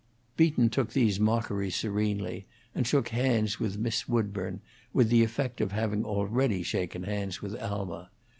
Beaton took these mockeries serenely, and shook hands with Miss Woodburn, with the effect of having already shaken hands with Alma.